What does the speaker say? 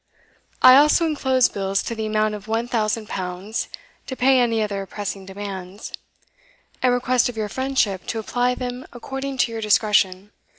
I also enclose bills to the amount of one thousand pounds to pay any other pressing demands, and request of your friendship to apply them according to your discretion.